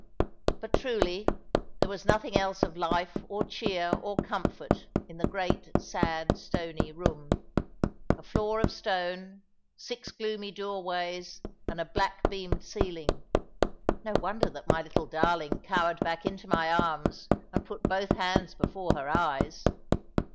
But truly there was nothing else of life, or cheer, or comfort, in the great sad stony room. A floor of stone, six gloomy doorways, and a black beamed ceiling no wonder that my little darling cowered back into my arms, and put both hands before her eyes.